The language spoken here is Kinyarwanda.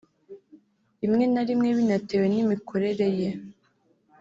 rimwe na rimwe binatewe n’imikorere ye